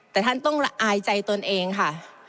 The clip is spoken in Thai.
แต่ท่านต้องละอายใจตนเองค่ะ